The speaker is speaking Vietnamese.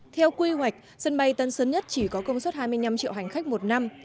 theo quy hoạch sân bay tân sơn nhất chỉ có công suất hai mươi năm triệu hành khách một năm